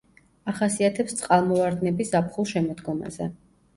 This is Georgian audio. ახასიათებს წყალმოვარდნები ზაფხულ-შემოდგომაზე.